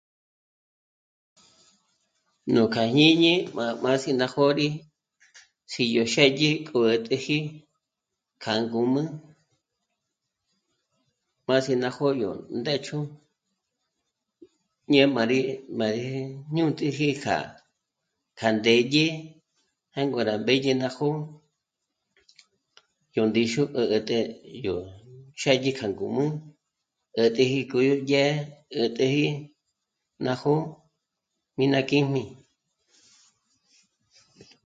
Nú kjá jñǐñi májmá sí ná jǒri ts'í yó xédyi kjó ä̀täji kjá ngǔmü, má sí ná jó'o yó ndéchju ñé'e má rí... má rí ñū̂tiji kjá ndédyë jângo rá mbédye ná jó'o, yó ndíxu gú 'ä̀tä... yó xë́dyi kjá ngǔmü 'ä̀täji k'o yó dyë́'ë 'ä̀täji ná jó'o mí ná kjǐjmi